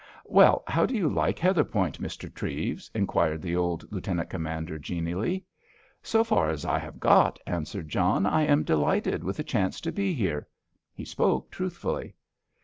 "Well, how do you like Heatherpoint, Mr. Treves?" inquired the old Lieutenant Commander genially. "So far as I have got," answered John, "I am delighted with the chance to be here." He spoke truthfully.